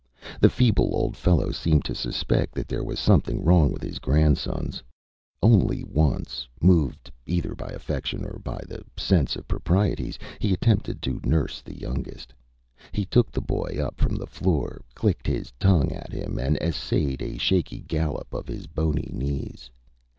The feeble old fellow seemed to suspect that there was something wrong with his grandsons. Only once, moved either by affection or by the sense of proprieties, he attempted to nurse the youngest. He took the boy up from the floor, clicked his tongue at him, and essayed a shaky gallop of his bony knees.